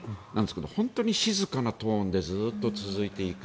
本当に静かなトーンでずっと続いていく。